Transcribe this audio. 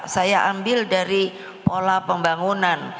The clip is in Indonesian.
saya ambil dari pola pembangunan